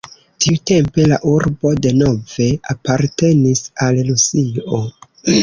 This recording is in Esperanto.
Tiutempe la urbo denove apartenis al Rusio.